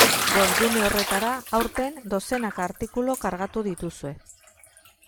Webgune horretara, aurten, dozenaka artikulu kargatu dituzue.